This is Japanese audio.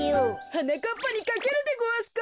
はなかっぱにかけるでごわすか？